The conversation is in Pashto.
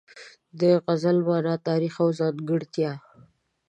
د غزل مانا، تاریخ او ځانګړتیا